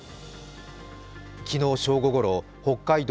昨日正午ごろ、穂街道